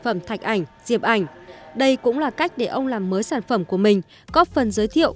phẩm thạch ảnh diệp ảnh đây cũng là cách để ông làm mới sản phẩm của mình góp phần giới thiệu